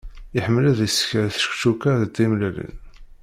Iḥemmel ad isker čekčuka d tmellalin.